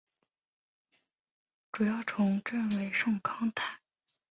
主要城镇为圣康坦。